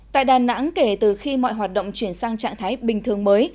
tại đà nẵng kể từ khi mọi hoạt động chuyển sang trạng thái bình thường mới